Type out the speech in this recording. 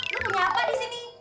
lu punya apa di sini